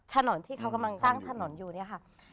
ถนนที่เขากำลังสร้างถนนอยู่เนี่ยค่ะ